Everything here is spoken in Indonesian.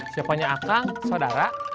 siapanya aka saudara